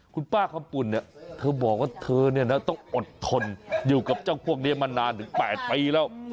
คุณป้าคำปุ่นเนี่ยเธอบอกว่าเธอเนี่ยนะต้องอดทนอยู่กับเจ้าพวกนี้มานานถึง๘ปีแล้ว